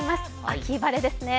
秋晴れですね。